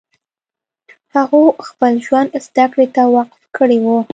هغو خپل ژوند زدکړې ته وقف کړی و